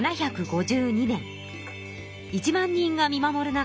１万人が見守る中